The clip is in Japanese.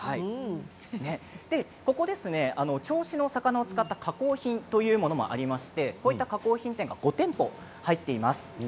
ここ銚子の魚を使った加工品もありましてこういった加工品店５店舗入っています。